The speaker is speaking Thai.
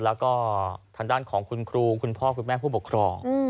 แล้วก็ทางด้านของคุณครูคุณพ่อคุณแม่ผู้ปกครอง